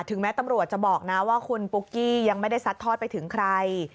แม้ตำรวจจะบอกนะว่าคุณปุ๊กกี้ยังไม่ได้ซัดทอดไปถึงใคร